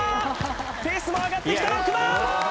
ペースも上がってきた６番！